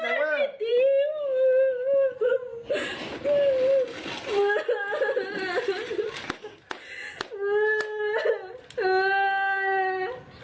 บ่ายบ่ายเอาอันนี้อ่ะ